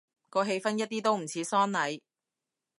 個氣氛一啲都唔似喪禮